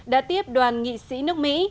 đã tiếp đoàn nghị sĩ nước mỹ